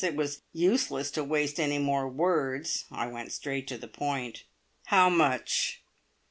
It was useless to waste any more words. I went straight to the point. "How much?"